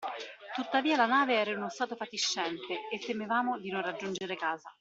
Tuttavia la nave era in uno stato fatiscente, e temevano di non raggiungere casa.